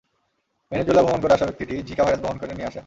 Venezuela ভ্রমণ করে আসা ব্যক্তিটি জিকা ভাইরাস বহন করে নিয়ে আসেন।